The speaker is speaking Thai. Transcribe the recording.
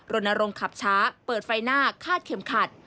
รณรงค์ขับช้าเปิดไฟหน้าคาดเข็มขัด